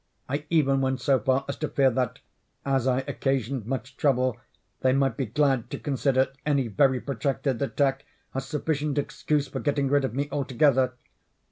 I even went so far as to fear that, as I occasioned much trouble, they might be glad to consider any very protracted attack as sufficient excuse for getting rid of me altogether.